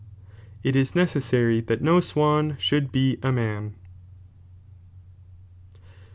I is ncceaaary thai no awan should be a man. ix.